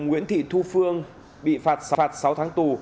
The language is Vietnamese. nguyễn thị thu phương bị phạt sáu tháng tù